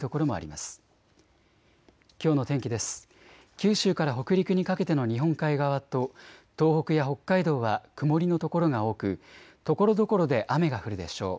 九州から北陸にかけての日本海側と東北や北海道は曇りの所が多くところどころで雨が降るでしょう。